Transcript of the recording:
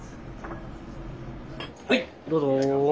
はいどうぞ。